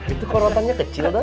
itu korotannya kecil doi